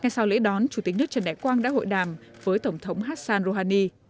sau lễ đón chủ tịch nước trần đại quang đã hội đàm với tổng thống hassan rouhani